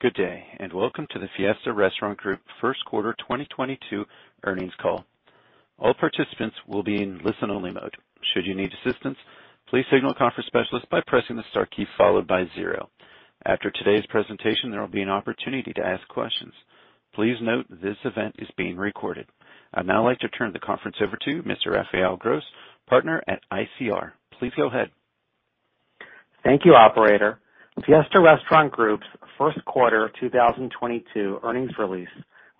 Good day, and welcome to the Fiesta Restaurant Group First Quarter 2022 Earnings Call. All participants will be in listen-only mode. Should you need assistance, please signal the conference specialist by pressing the star key followed by zero. After today's presentation, there will be an opportunity to ask questions. Please note this event is being recorded. I'd now like to turn the conference over to Mr. Raphael Gross, Partner at ICR. Please go ahead. Thank you, operator. Fiesta Restaurant Group's first quarter 2022 earnings release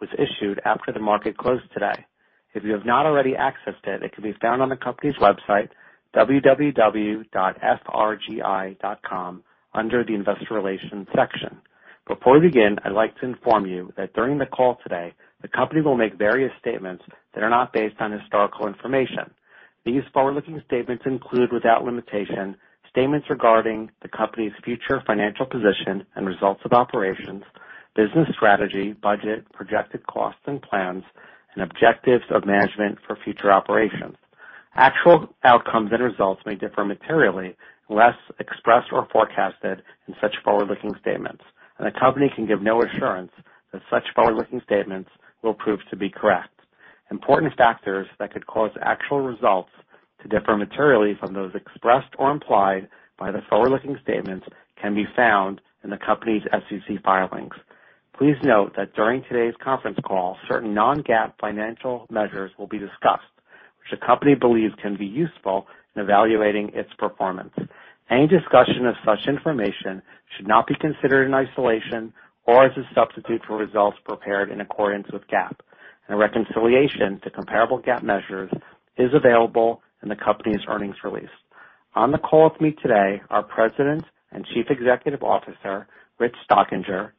was issued after the market closed today. If you have not already accessed it can be found on the company's website, www.frgi.com, under the Investor Relations section. Before we begin, I'd like to inform you that during the call today, the company will make various statements that are not based on historical information. These forward-looking statements include, without limitation, statements regarding the company's future financial position and results of operations, business strategy, budget, projected costs and plans, and objectives of management for future operations. Actual outcomes and results may differ materially unless expressed or forecasted in such forward-looking statements, and the company can give no assurance that such forward-looking statements will prove to be correct. Important factors that could cause actual results to differ materially from those expressed or implied by the forward-looking statements can be found in the company's SEC filings. Please note that during today's conference call, certain non-GAAP financial measures will be discussed, which the company believes can be useful in evaluating its performance. Any discussion of such information should not be considered in isolation or as a substitute for results prepared in accordance with GAAP, and a reconciliation to comparable GAAP measures is available in the company's earnings release. On the call with me today are President and Chief Executive Officer, Rich Stockinger,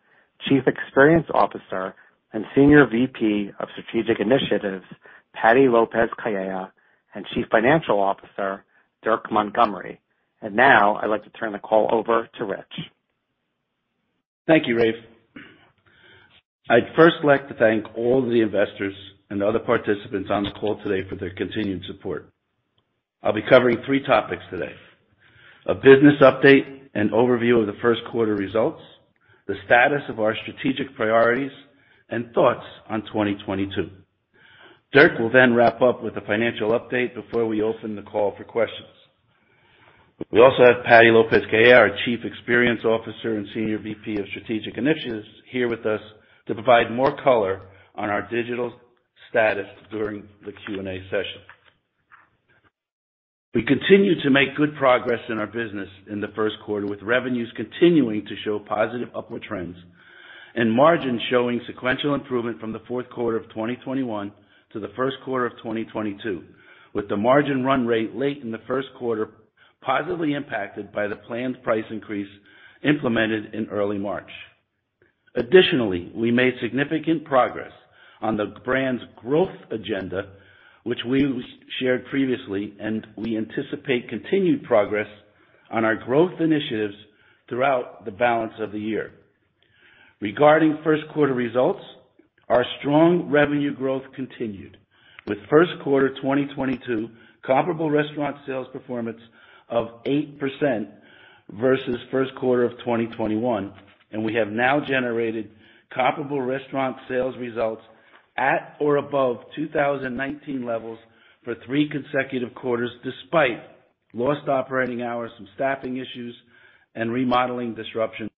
Chief Experience Officer and Senior VP of Strategic Initiatives, Patty Lopez-Calleja, and Chief Financial Officer, Dirk Montgomery. Now, I'd like to turn the call over to Rich. Thank you, Raphael. I'd first like to thank all the investors and other participants on the call today for their continued support. I'll be covering three topics today, a business update and overview of the first quarter results, the status of our strategic priorities, and thoughts on 2022. Dirk will then wrap up with a financial update before we open the call for questions. We also have Patty Lopez-Calleja, our Chief Experience Officer and Senior VP of Strategic Initiatives, here with us to provide more color on our digital status during the Q&A session. We continue to make good progress in our business in the first quarter, with revenues continuing to show positive upward trends and margins showing sequential improvement from the fourth quarter of 2021 to the first quarter of 2022, with the margin run rate late in the first quarter positively impacted by the planned price increase implemented in early March. Additionally, we made significant progress on the brand's growth agenda, which we shared previously, and we anticipate continued progress on our growth initiatives throughout the balance of the year. Regarding first quarter results, our strong revenue growth continued, with first quarter 2022 comparable restaurant sales performance of 8% versus first quarter of 2021, and we have now generated comparable restaurant sales results at or above 2019 levels for three consecutive quarters, despite lost operating hours from staffing issues and remodeling disruption.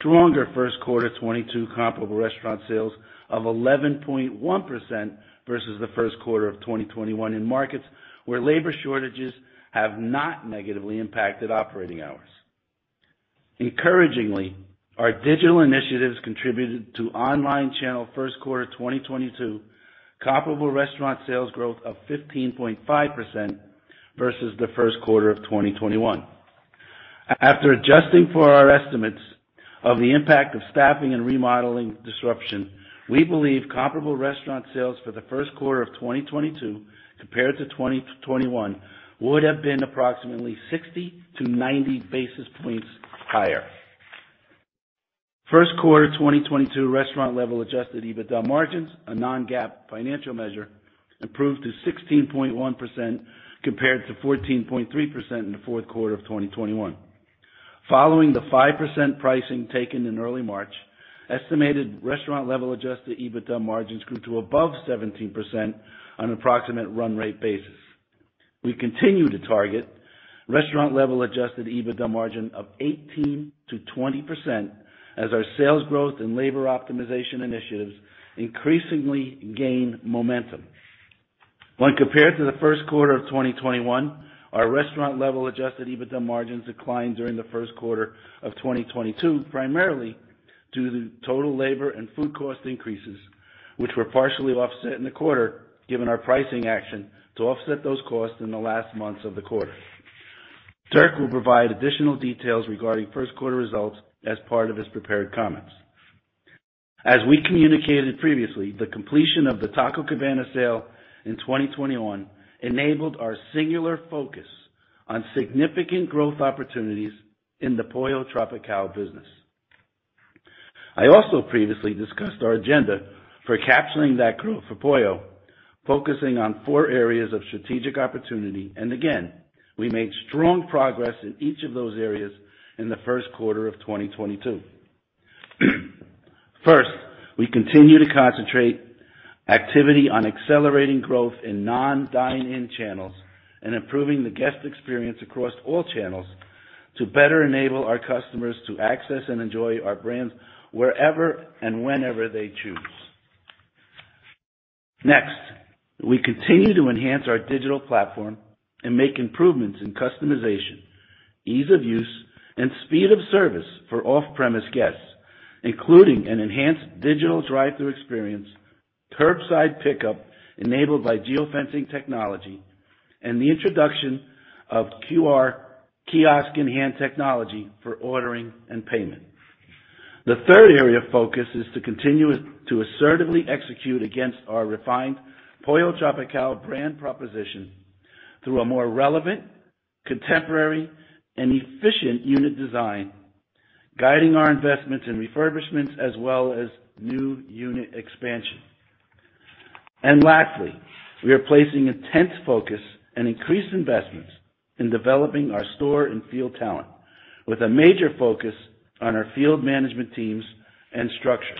Stronger first quarter 2022 comparable restaurant sales of 11.1% versus the first quarter of 2021 in markets where labor shortages have not negatively impacted operating hours. Encouragingly, our digital initiatives contributed to online channel first quarter 2022 comparable restaurant sales growth of 15.5% versus the first quarter of 2021. After adjusting for our estimates of the impact of staffing and remodeling disruption, we believe comparable restaurant sales for the first quarter of 2022 compared to 2021 would have been approximately 60 basis points-90 basis points higher. First quarter 2022 restaurant level adjusted EBITDA margins, a non-GAAP financial measure, improved to 16.1% compared to 14.3% in the fourth quarter of 2021. Following the 5% pricing taken in early March, estimated restaurant level adjusted EBITDA margins grew to above 17% on approximate run rate basis. We continue to target restaurant level adjusted EBITDA margin of 18%-20% as our sales growth and labor optimization initiatives increasingly gain momentum. When compared to the first quarter of 2021, our restaurant level adjusted EBITDA margins declined during the first quarter of 2022, primarily due to total labor and food cost increases, which were partially offset in the quarter given our pricing action to offset those costs in the last months of the quarter. Dirk will provide additional details regarding first quarter results as part of his prepared comments. As we communicated previously, the completion of the Taco Cabana sale in 2021 enabled our singular focus on significant growth opportunities in the Pollo Tropical business. I also previously discussed our agenda for capturing that growth for Pollo, focusing on four areas of strategic opportunity. Again, we made strong progress in each of those areas in the first quarter of 2022. First, we continue to concentrate activity on accelerating growth in non-dine-in channels and improving the guest experience across all channels to better enable our customers to access and enjoy our brands wherever and whenever they choose. Next, we continue to enhance our digital platform and make improvements in customization, ease of use, and speed of service for off-premise guests, including an enhanced digital drive-thru experience, curbside pickup enabled by geofencing technology, and the introduction of QR kiosk-in-hand technology for ordering and payment. The third area of focus is to continue to assertively execute against our refined Pollo Tropical brand proposition through a more relevant, contemporary, and efficient unit design, guiding our investments in refurbishments as well as new unit expansion. Lastly, we are placing intense focus and increased investments in developing our store and field talent, with a major focus on our field management teams and structure.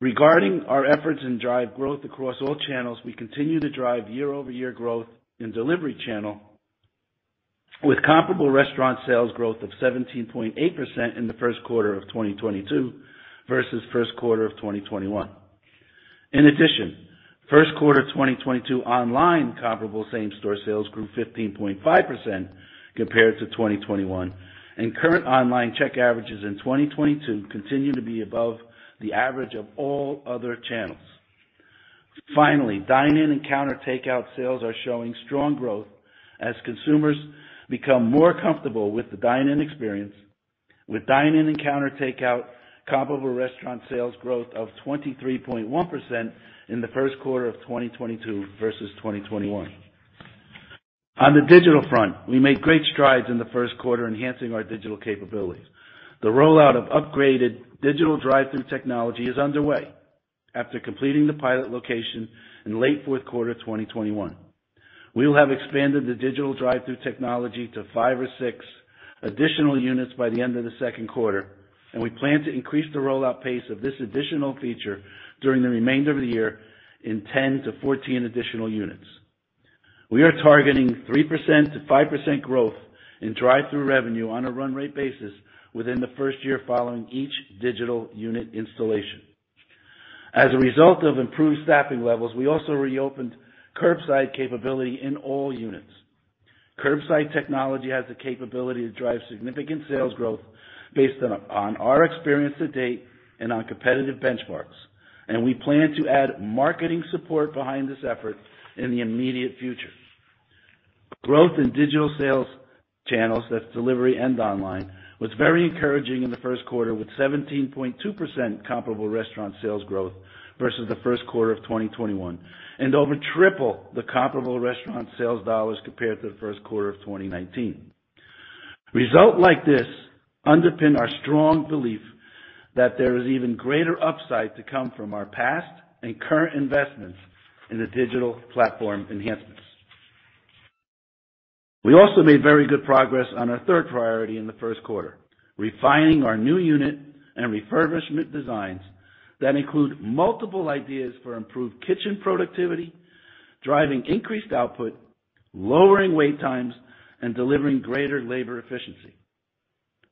Regarding our efforts to drive growth across all channels, we continue to drive year-over-year growth in delivery channel with comparable restaurant sales growth of 17.8% in the first quarter of 2022 versus first quarter of 2021. In addition, first quarter 2022 online comparable same-store sales grew 15.5% compared to 2021, and current online check averages in 2022 continue to be above the average of all other channels. Finally, dine-in and counter takeout sales are showing strong growth as consumers become more comfortable with the dine-in experience, with dine-in and counter takeout comparable restaurant sales growth of 23.1% in the first quarter of 2022 versus 2021. On the digital front, we made great strides in the first quarter enhancing our digital capabilities. The rollout of upgraded digital drive-thru technology is underway after completing the pilot location in late fourth quarter of 2021. We will have expanded the digital drive-thru technology to five or six additional units by the end of the second quarter, and we plan to increase the rollout pace of this additional feature during the remainder of the year in 10-14 additional units. We are targeting 3%-5% growth in drive-thru revenue on a run rate basis within the first year following each digital unit installation. As a result of improved staffing levels, we also reopened curbside capability in all units. Curbside technology has the capability to drive significant sales growth based on our experience to date and on competitive benchmarks, and we plan to add marketing support behind this effort in the immediate future. Growth in digital sales channels, that's delivery and online, was very encouraging in the first quarter, with 17.2% comparable restaurant sales growth versus the first quarter of 2021, and over triple the comparable restaurant sales dollars compared to the first quarter of 2019. Results like this underpin our strong belief that there is even greater upside to come from our past and current investments in the digital platform enhancements. We also made very good progress on our third priority in the first quarter, refining our new unit and refurbishment designs that include multiple ideas for improved kitchen productivity, driving increased output, lowering wait times, and delivering greater labor efficiency.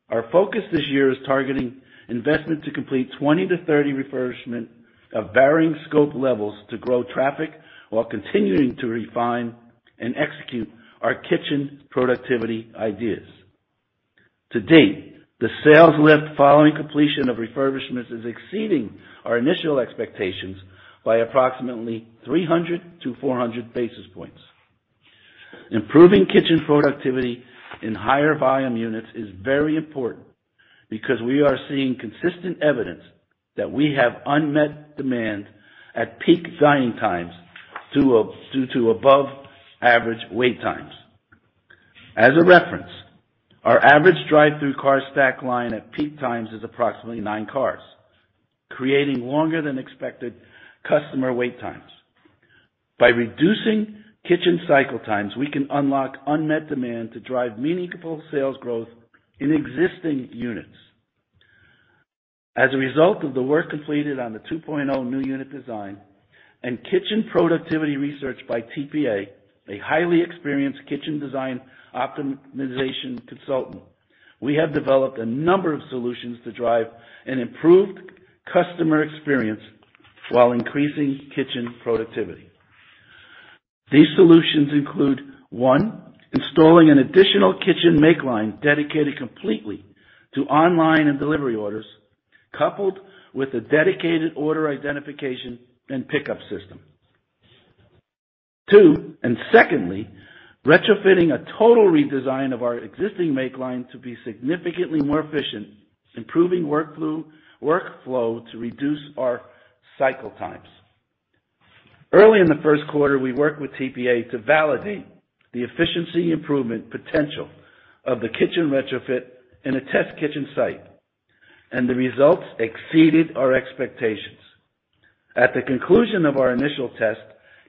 Our focus this year is targeting investment to complete 20-30 refurbishment of varying scope levels to grow traffic while continuing to refine and execute our kitchen productivity ideas. To date, the sales lift following completion of refurbishments is exceeding our initial expectations by approximately 300 basis points-400 basis points. Improving kitchen productivity in higher volume units is very important because we are seeing consistent evidence that we have unmet demand at peak dine-in times due to above-average wait times. As a reference, our average drive-thru car stack line at peak times is approximately six cars, creating longer than expected customer wait times. By reducing kitchen cycle times, we can unlock unmet demand to drive meaningful sales growth in existing units. As a result of the work completed on the 2.0 new unit design and kitchen productivity research by TPA, a highly experienced kitchen design optimization consultant, we have developed a number of solutions to drive an improved customer experience while increasing kitchen productivity. These solutions include, one, installing an additional kitchen make line dedicated completely to online and delivery orders, coupled with a dedicated order identification and pickup system. Two, and secondly, retrofitting a total redesign of our existing make line to be significantly more efficient, improving work flow to reduce our cycle times. Early in the first quarter, we worked with TPA to validate the efficiency improvement potential of the kitchen retrofit in a test kitchen site, and the results exceeded our expectations. At the conclusion of our initial test,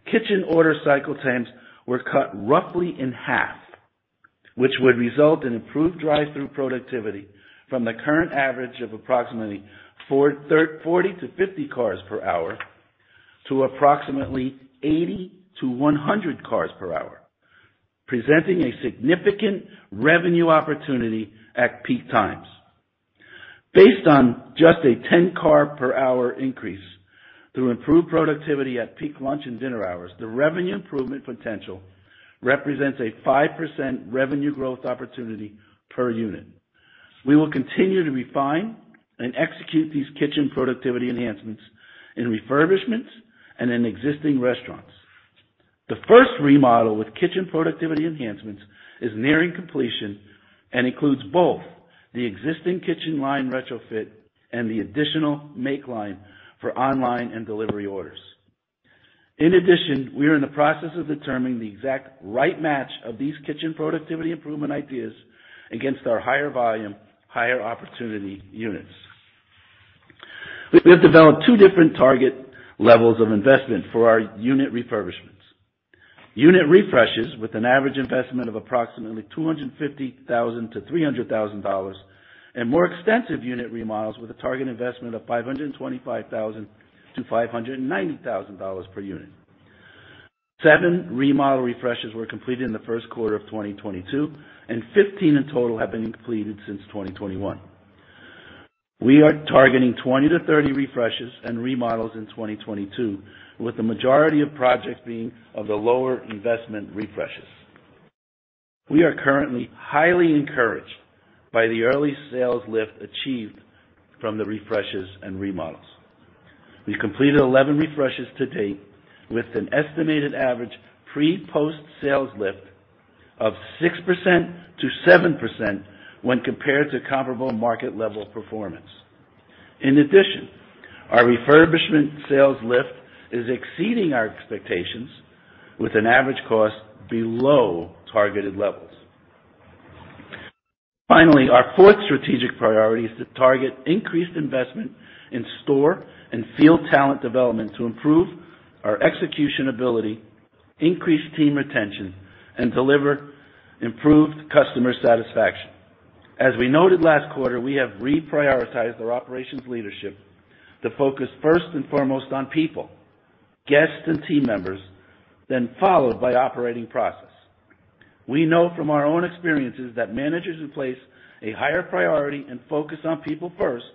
kitchen order cycle times were cut roughly in half, which would result in improved drive-thru productivity from the current average of approximately 40 cars-50 cars per hour to approximately 80 cars-100 cars per hour, presenting a significant revenue opportunity at peak times. Based on just a 10 car per hour increase through improved productivity at peak lunch and dinner hours, the revenue improvement potential represents a 5% revenue growth opportunity per unit. We will continue to refine and execute these kitchen productivity enhancements in refurbishments and in existing restaurants. The first remodel with kitchen productivity enhancements is nearing completion and includes both the existing kitchen line retrofit and the additional make line for online and delivery orders. In addition, we are in the process of determining the exact right match of these kitchen productivity improvement ideas against our higher volume, higher opportunity units. We have developed two different target levels of investment for our unit refurbishments. Unit refreshes with an average investment of approximately $250,000-$300,000, and more extensive unit remodels with a target investment of $525,000-$590,000 per unit. Seven remodel refreshes were completed in the first quarter of 2022, and 15 in total have been completed since 2021. We are targeting 20-30 refreshes and remodels in 2022, with the majority of projects being of the lower investment refreshes. We are currently highly encouraged by the early sales lift achieved from the refreshes and remodels. We've completed 11 refreshes to date, with an estimated average pre-post sales lift of 6%-7% when compared to comparable market level performance. In addition, our refurbishment sales lift is exceeding our expectations with an average cost below targeted levels. Finally, our fourth strategic priority is to target increased investment in store and field talent development to improve our execution ability, increase team retention, and deliver improved customer satisfaction. As we noted last quarter, we have reprioritized our operations leadership to focus first and foremost on people, guests, and team members, then followed by operating process. We know from our own experiences that managers who place a higher priority and focus on people first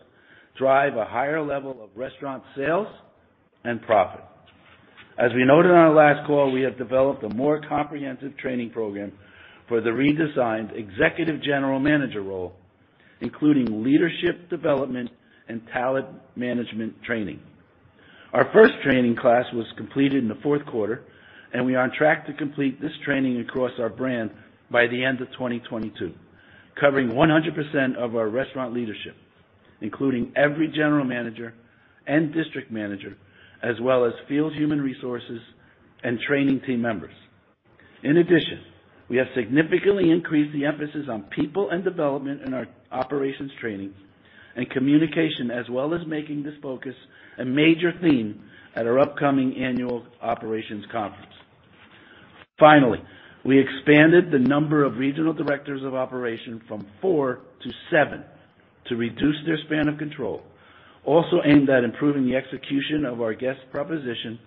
drive a higher level of restaurant sales and profit. As we noted on our last call, we have developed a more comprehensive training program for the redesigned executive general manager role, including leadership development and talent management training. Our first training class was completed in the fourth quarter, and we are on track to complete this training across our brand by the end of 2022, covering 100% of our restaurant leadership, including every general manager and district manager, as well as field human resources and training team members. In addition, we have significantly increased the emphasis on people and development in our operations training and communication, as well as making this focus a major theme at our upcoming annual operations conference. Finally, we expanded the number of regional directors of operation from four to seven to reduce their span of control, also aimed at improving the execution of our guest proposition,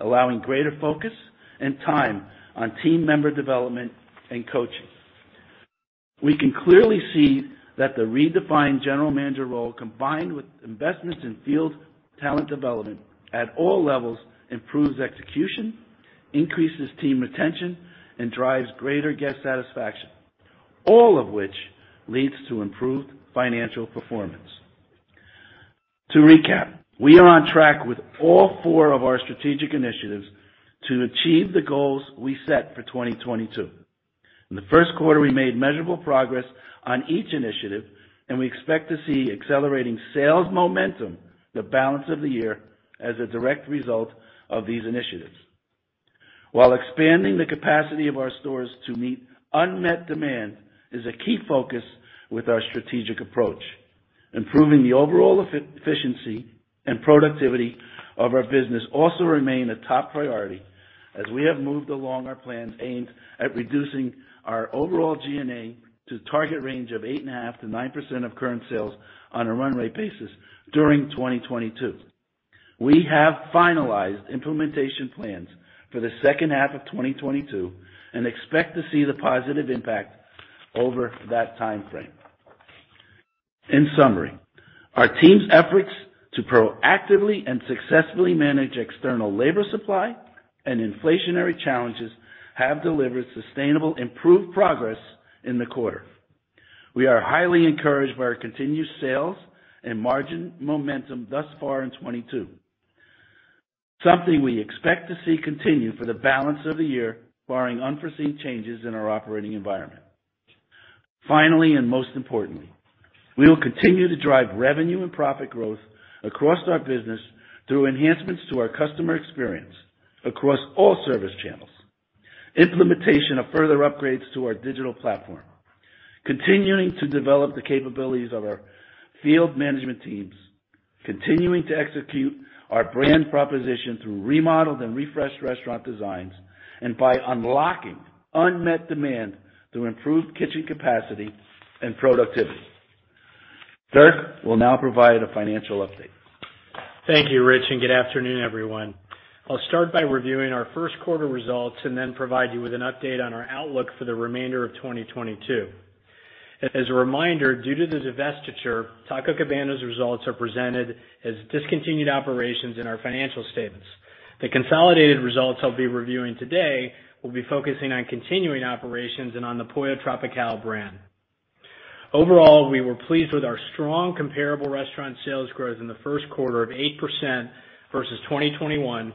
allowing greater focus and time on team member development and coaching. We can clearly see that the redefined general manager role, combined with investments in field talent development at all levels, improves execution, increases team retention, and drives greater guest satisfaction, all of which leads to improved financial performance. To recap, we are on track with all four of our strategic initiatives to achieve the goals we set for 2022. In the first quarter, we made measurable progress on each initiative, and we expect to see accelerating sales momentum the balance of the year as a direct result of these initiatives. While expanding the capacity of our stores to meet unmet demand is a key focus with our strategic approach, improving the overall efficiency and productivity of our business also remain a top priority as we have moved along our plans aimed at reducing our overall G&A to target range of 8.5%-9% of current sales on a run rate basis during 2022. We have finalized implementation plans for the second half of 2022 and expect to see the positive impact over that time frame. In summary, our team's efforts to proactively and successfully manage external labor supply and inflationary challenges have delivered sustainable improved progress in the quarter. We are highly encouraged by our continued sales and margin momentum thus far in 2022, something we expect to see continue for the balance of the year, barring unforeseen changes in our operating environment. Finally, and most importantly, we will continue to drive revenue and profit growth across our business through enhancements to our customer experience across all service channels, implementation of further upgrades to our digital platform, continuing to develop the capabilities of our field management teams, continuing to execute our brand proposition through remodeled and refreshed restaurant designs, and by unlocking unmet demand through improved kitchen capacity and productivity. Dirk will now provide a financial update. Thank you, Rich, and good afternoon, everyone. I'll start by reviewing our first quarter results and then provide you with an update on our outlook for the remainder of 2022. As a reminder, due to the divestiture, Taco Cabana's results are presented as discontinued operations in our financial statements. The consolidated results I'll be reviewing today will be focusing on continuing operations and on the Pollo Tropical brand. Overall, we were pleased with our strong comparable restaurant sales growth in the first quarter of 8% versus 2021,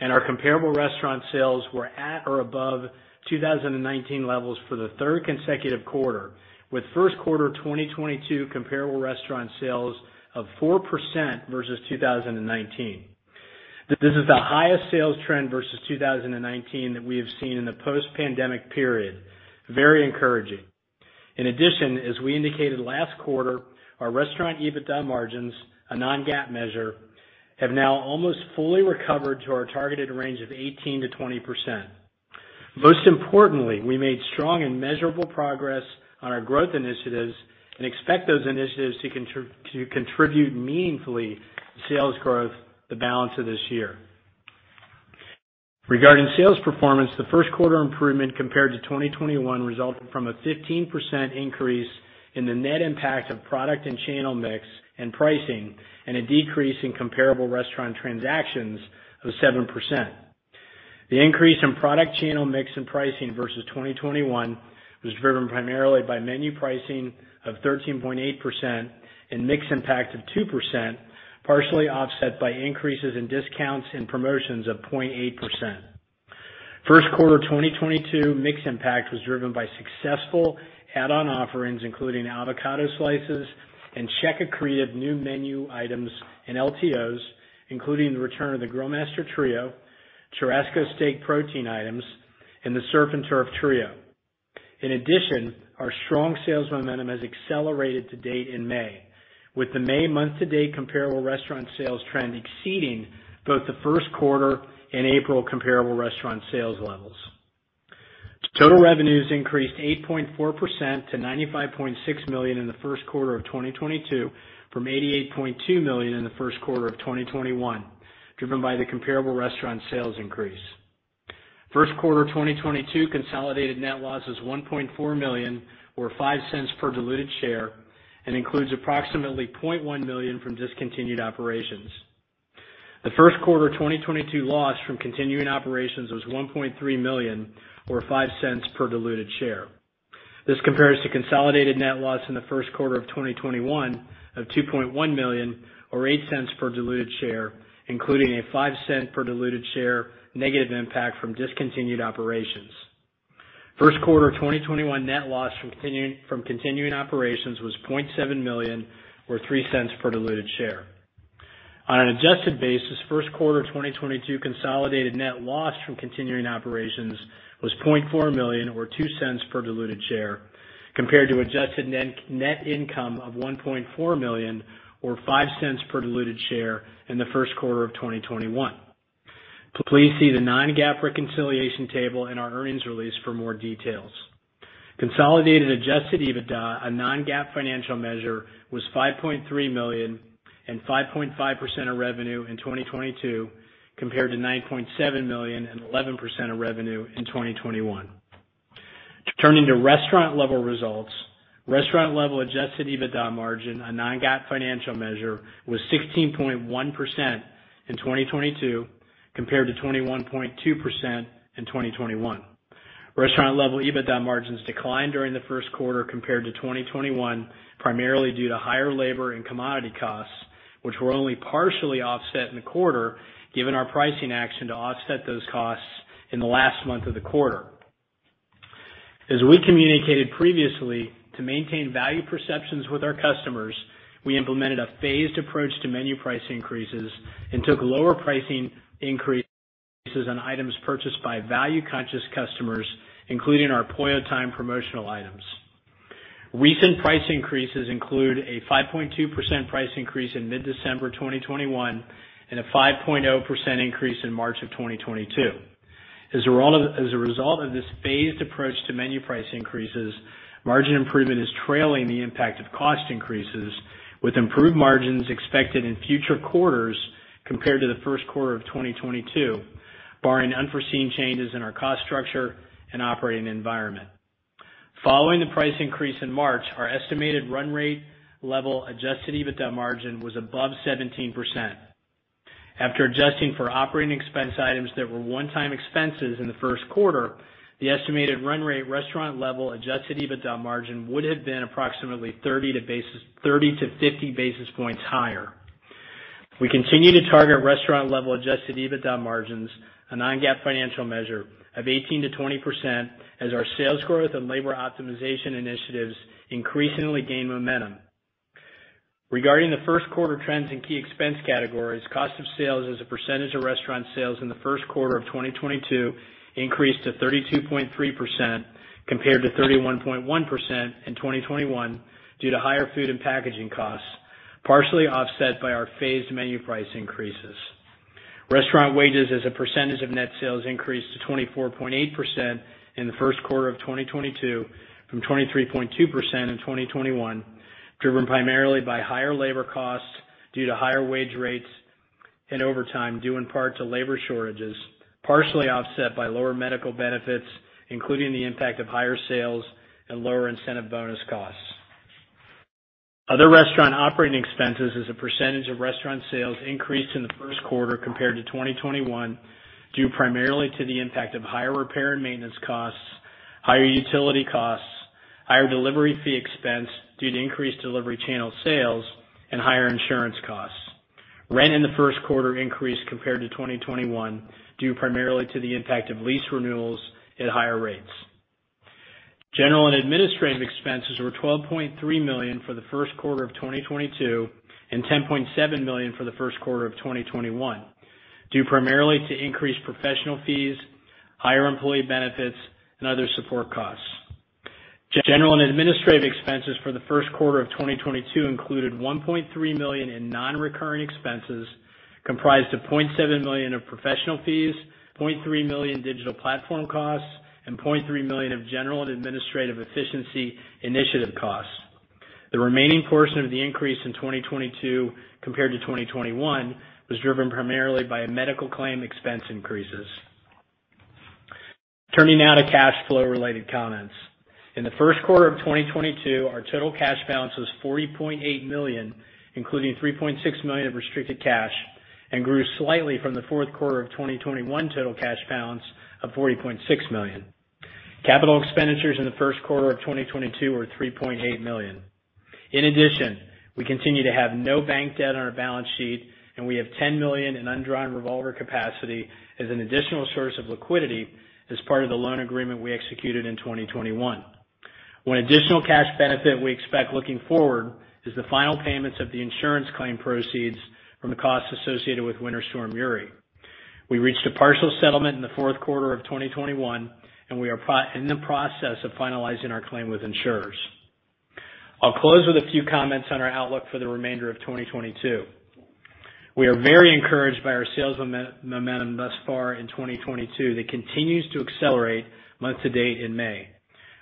and our comparable restaurant sales were at or above 2019 levels for the third consecutive quarter, with first quarter 2022 comparable restaurant sales of 4% versus 2019. This is the highest sales trend versus 2019 that we have seen in the post-pandemic period. Very encouraging. In addition, as we indicated last quarter, our restaurant EBITDA margins, a non-GAAP measure, have now almost fully recovered to our targeted range of 18%-20%. Most importantly, we made strong and measurable progress on our growth initiatives and expect those initiatives to contribute meaningfully to sales growth the balance of this year. Regarding sales performance, the first quarter improvement compared to 2021 resulted from a 15% increase in the net impact of product and channel mix and pricing and a decrease in comparable restaurant transactions of 7%. The increase in product channel mix and pricing versus 2021 was driven primarily by menu pricing of 13.8% and mix impact of 2%, partially offset by increases in discounts and promotions of 0.8%. First quarter 2022 mix impact was driven by successful add-on offerings, including avocado slices and check creative new menu items and LTOs, including the return of the Grillmaster Trio, Churrasco steak protein items, and the Surf and Turf Trio. In addition, our strong sales momentum has accelerated to date in May, with the May month to date comparable restaurant sales trend exceeding both the first quarter and April comparable restaurant sales levels. Total revenues increased 8.4% to $95.6 million in the first quarter of 2022 from $88.2 million in the first quarter of 2021, driven by the comparable restaurant sales increase. First quarter 2022 consolidated net loss is $1.4 million or $0.05 per diluted share and includes approximately $0.1 million from discontinued operations. The first quarter 2022 loss from continuing operations was $1.3 million or $0.05 per diluted share. This compares to consolidated net loss in the first quarter of 2021 of $2.1 million or $0.08 per diluted share, including a $0.05 per diluted share negative impact from discontinued operations. First quarter 2021 net loss from continuing operations was $0.7 million or $0.03 per diluted share. On an adjusted basis, first quarter 2022 consolidated net loss from continuing operations was $0.4 million or $0.02 per diluted share, compared to adjusted net income of $1.4 million or $0.05 per diluted share in the first quarter of 2021. Please see the non-GAAP reconciliation table in our earnings release for more details. Consolidated adjusted EBITDA, a non-GAAP financial measure, was $5.3 million and 5.5% of revenue in 2022, compared to $9.7 million and 11% of revenue in 2021. Turning to restaurant level results. Restaurant level adjusted EBITDA margin, a non-GAAP financial measure, was 16.1% in 2022, compared to 21.2% in 2021. Restaurant level EBITDA margins declined during the first quarter compared to 2021, primarily due to higher labor and commodity costs, which were only partially offset in the quarter given our pricing action to offset those costs in the last month of the quarter. As we communicated previously, to maintain value perceptions with our customers, we implemented a phased approach to menu price increases and took lower pricing increases on items purchased by value conscious customers, including our Pollo Time! promotional items. Recent price increases include a 5.2% price increase in mid-December 2021, and a 5% increase in March 2022. As a result of this phased approach to menu price increases, margin improvement is trailing the impact of cost increases, with improved margins expected in future quarters compared to the first quarter of 2022, barring unforeseen changes in our cost structure and operating environment. Following the price increase in March, our estimated run-rate levered adjusted EBITDA margin was above 17%. After adjusting for operating expense items that were one time expenses in the first quarter, the estimated run rate restaurant level adjusted EBITDA margin would have been approximately 30 basis points-50 basis points higher. We continue to target restaurant level adjusted EBITDA margins, a non-GAAP financial measure of 18%-20% as our sales growth and labor optimization initiatives increasingly gain momentum. Regarding the first quarter trends in key expense categories, cost of sales as a percentage of restaurant sales in the first quarter of 2022 increased to 32.3% compared to 31.1% in 2021 due to higher food and packaging costs, partially offset by our phased menu price increases. Restaurant wages as a percentage of net sales increased to 24.8% in the first quarter of 2022 from 23.2% in 2021, driven primarily by higher labor costs due to higher wage rates and overtime due in part to labor shortages, partially offset by lower medical benefits, including the impact of higher sales and lower incentive bonus costs. Other restaurant operating expenses as a percentage of restaurant sales increased in the first quarter compared to 2021, due primarily to the impact of higher repair and maintenance costs, higher utility costs, higher delivery fee expense due to increased delivery channel sales and higher insurance costs. Rent in the first quarter increased compared to 2021, due primarily to the impact of lease renewals at higher rates. General and administrative expenses were $12.3 million for the first quarter of 2022 and $10.7 million for the first quarter of 2021, due primarily to increased professional fees, higher employee benefits and other support costs. General and administrative expenses for the first quarter of 2022 included $1.3 million in non-recurring expenses, comprised of $0.7 million of professional fees, $0.3 million digital platform costs, and $0.3 million of general and administrative efficiency initiative costs. The remaining portion of the increase in 2022 compared to 2021 was driven primarily by medical claim expense increases. Turning now to cash flow related comments. In the first quarter of 2022, our total cash balance was $40.8 million, including $3.6 million of restricted cash, and grew slightly from the fourth quarter of 2021 total cash balance of $40.6 million. Capital expenditures in the first quarter of 2022 were $3.8 million. In addition, we continue to have no bank debt on our balance sheet, and we have $10 million in undrawn revolver capacity as an additional source of liquidity as part of the loan agreement we executed in 2021. One additional cash benefit we expect looking forward is the final payments of the insurance claim proceeds from the costs associated with Winter Storm Uri. We reached a partial settlement in the fourth quarter of 2021, and we are in the process of finalizing our claim with insurers. I'll close with a few comments on our outlook for the remainder of 2022. We are very encouraged by our sales momentum thus far in 2022 that continues to accelerate month to date in May.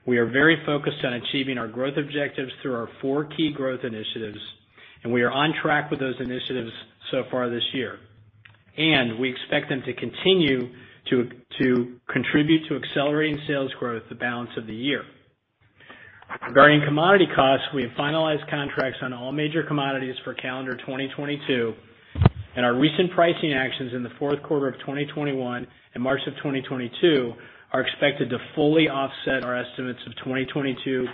We are very focused on achieving our growth objectives through our four key growth initiatives, and we are on track with those initiatives so far this year. We expect them to continue to contribute to accelerating sales growth the balance of the year. Regarding commodity costs, we have finalized contracts on all major commodities for calendar 2022, and our recent pricing actions in the fourth quarter of 2021 and March of 2022 are expected to fully offset our estimates of 2022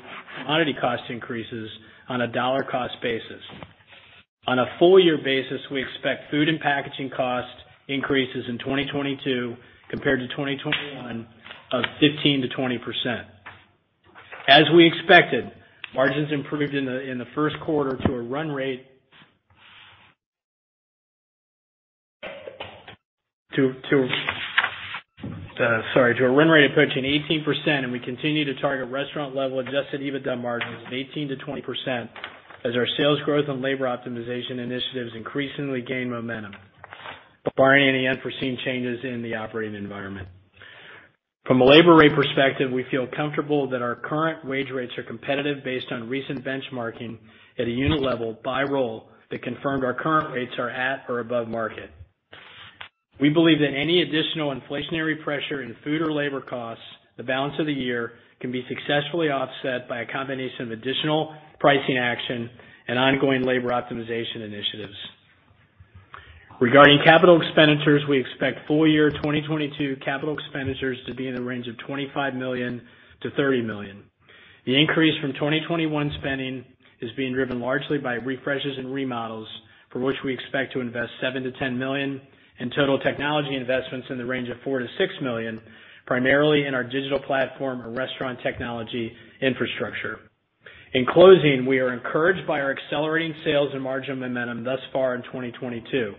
commodity cost increases on a dollar cost basis. On a full year basis, we expect food and packaging cost increases in 2022 compared to 2021 of 15%-20%. As we expected, margins improved in the first quarter to a run rate approaching 18%, and we continue to target restaurant level adjusted EBITDA margins of 18%-20% as our sales growth and labor optimization initiatives increasingly gain momentum, barring any unforeseen changes in the operating environment. From a labor rate perspective, we feel comfortable that our current wage rates are competitive based on recent benchmarking at a unit level by role that confirmed our current rates are at or above market. We believe that any additional inflationary pressure in food or labor costs for the balance of the year can be successfully offset by a combination of additional pricing action and ongoing labor optimization initiatives. Regarding capital expenditures, we expect full year 2022 capital expenditures to be in the range of $25 million-$30 million. The increase from 2021 spending is being driven largely by refreshes and remodels, for which we expect to invest $7 million-$10 million in total technology investments in the range of $4 million-$6 million, primarily in our digital platform or restaurant technology infrastructure. In closing, we are encouraged by our accelerating sales and margin momentum thus far in 2022,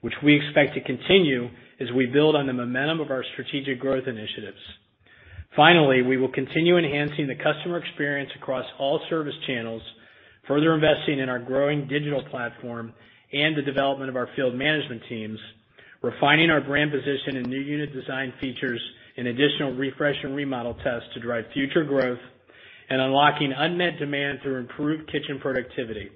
which we expect to continue as we build on the momentum of our strategic growth initiatives. Finally, we will continue enhancing the customer experience across all service channels, further investing in our growing digital platform and the development of our field management teams, refining our brand position and new unit design features and additional refresh and remodel tests to drive future growth and unlocking unmet demand through improved kitchen productivity.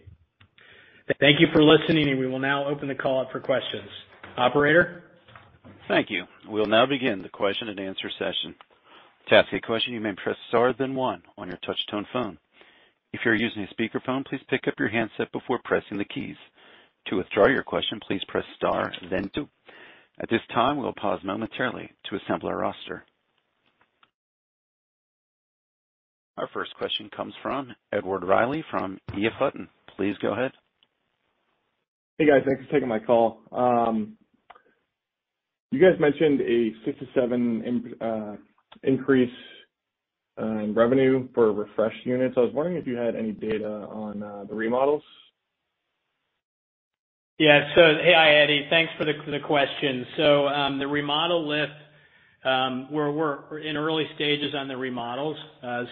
Thank you for listening, and we will now open the call up for questions. Operator? Thank you. We'll now begin the question and answer session. To ask a question, you may press star then one on your touch tone phone. If you're using a speakerphone, please pick up your handset before pressing the keys. To withdraw your question, please press star then two. At this time, we'll pause momentarily to assemble our roster. Our first question comes from Edward Reilly from EF Hutton. Please go ahead. Hey guys, thanks for taking my call. You guys mentioned a 67% increase in revenue for refreshed units. I was wondering if you had any data on the remodels. Yeah. Hey, Eddie, thanks for the question. The remodel lift, we're in early stages on the remodels,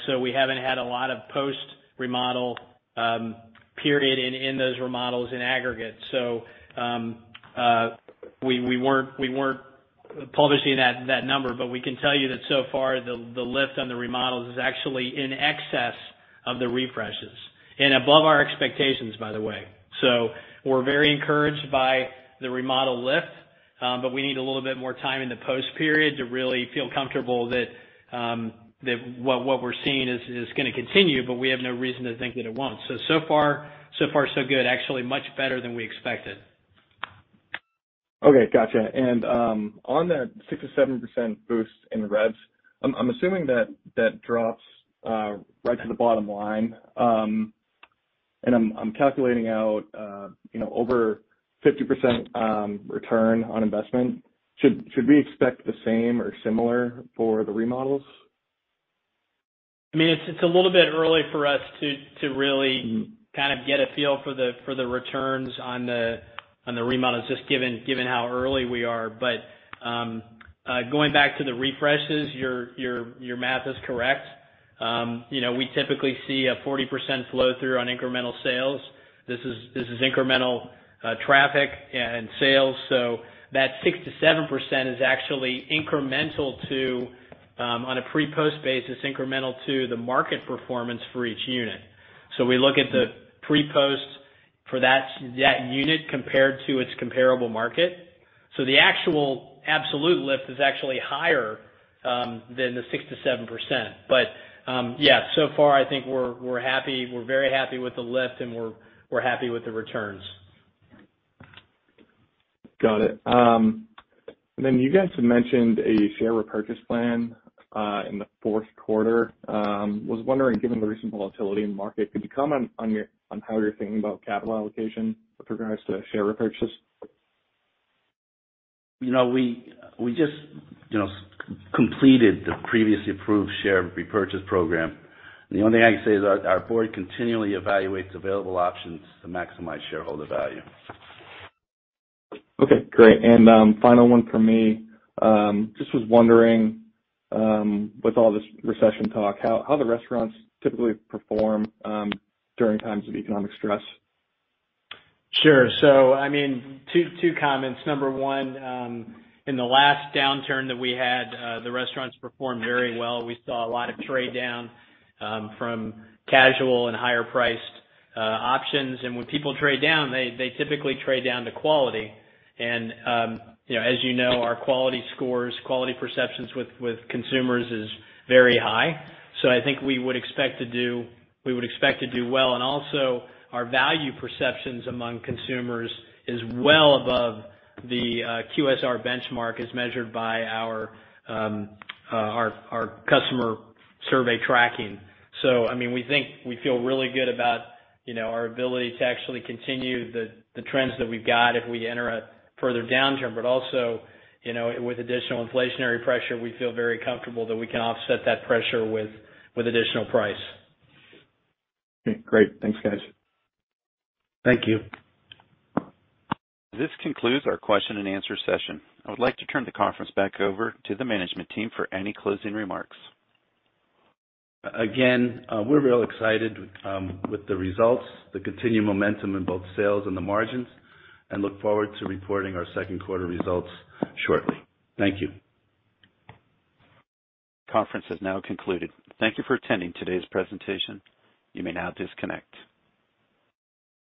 so we haven't had a lot of post-remodel period in those remodels in aggregate. We weren't publishing that number, but we can tell you that so far the lift on the remodels is actually in excess of the refreshes and above our expectations, by the way. We're very encouraged by the remodel lift, but we need a little bit more time in the post period to really feel comfortable that what we're seeing is gonna continue, but we have no reason to think that it won't. So far so good. Actually much better than we expected. Okay. Gotcha. On that 6%-7% boost in revs, I'm assuming that drops right to the bottom line. I'm calculating out, you know, over 50% return on investment. Should we expect the same or similar for the remodels? I mean, it's a little bit early for us to really kind of get a feel for the returns on the remodels, just given how early we are. Going back to the refreshes, your math is correct. You know, we typically see a 40% flow through on incremental sales. This is incremental traffic and sales. That 6%-7% is actually incremental to, on a pre-post basis, incremental to the market performance for each unit. We look at the pre-post for that unit compared to its comparable market. The actual absolute lift is actually higher than the 6%-7%. Yeah, so far I think we're happy, we're very happy with the lift and we're happy with the returns. Got it. You guys had mentioned a share repurchase plan in the fourth quarter. Was wondering, given the recent volatility in the market, could you comment on how you're thinking about capital allocation with regards to a share repurchase? You know, we just, you know, completed the previously approved share repurchase program. The only thing I can say is our board continually evaluates available options to maximize shareholder value. Okay, great. Final one from me. Just was wondering, with all this recession talk, how the restaurants typically perform during times of economic stress? Sure. I mean, two comments. Number one, in the last downturn that we had, the restaurants performed very well. We saw a lot of trade down, from casual and higher priced options. When people trade down, they typically trade down to quality. You know, as you know, our quality scores, quality perceptions with consumers is very high. I think we would expect to do well. Our value perceptions among consumers is well above the QSR benchmark as measured by our customer survey tracking. I mean, we think we feel really good about, you know, our ability to actually continue the trends that we've got if we enter a further downturn. you know, with additional inflationary pressure, we feel very comfortable that we can offset that pressure with additional price. Okay, great. Thanks, guys. Thank you. This concludes our question and answer session. I would like to turn the conference back over to the management team for any closing remarks. Again, we're real excited with the results, the continued momentum in both sales and the margins, and look forward to reporting our second quarter results shortly. Thank you. Conference has now concluded. Thank you for attending today's presentation. You may now disconnect.